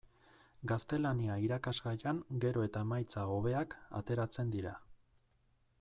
Gaztelania irakasgaian gero eta emaitza hobeak ateratzen dira.